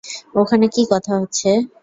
ওখানে কী কথা হচ্ছে?